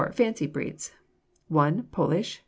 Fancy Breeds 1. Polish.